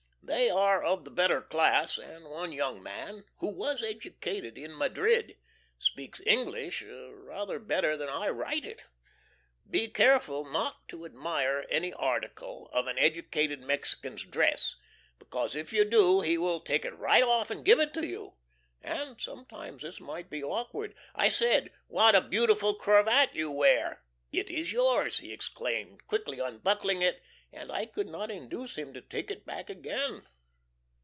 They are of the better class, and one young man (who was educated in Madrid) speaks English rather better than I write it. Be careful not to admire any article of an educated Mexican's dress, because if you do he will take it right off and give it to you, and sometimes this might be awkward. I said: "What a beautiful cravat you wear!" "It is yours!" he exclaimed, quickly unbuckling it; and I could not induce him to take it back again.